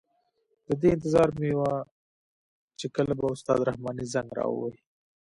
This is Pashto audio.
د دې انتظار مې وه چې کله به استاد رحماني زنګ را وهي.